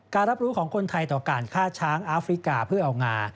รับรู้ของคนไทยต่อการฆ่าช้างอาฟริกาเพื่อเอางา